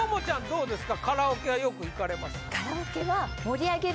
どうですか？